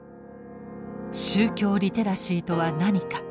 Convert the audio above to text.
宗教リテラシーとは何か？